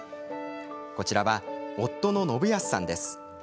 こちらは夫の信康さんです。